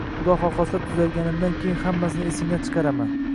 Xudo xohlasa, tuzalganimdan keyin hammasini esingdan chiqaraman”